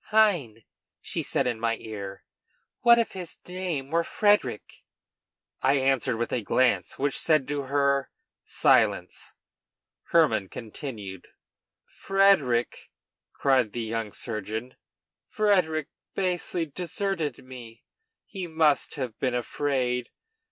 "Hein?" she said in my ear, "what if his name were Frederic?" I answered with a glance, which said to her: "Silence!" Hermann continued:] "Frederic!" cried the young surgeon, "Frederic basely deserted me. He must have been afraid.